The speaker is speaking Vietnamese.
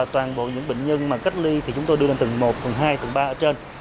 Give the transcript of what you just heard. toàn bộ những bệnh nhân mà cách ly thì chúng tôi đưa lên tầng một tầng hai tầng ba ở trên